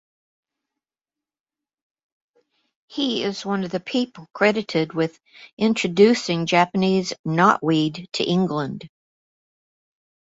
He is one of the people credited with introducing Japanese knotweed to England.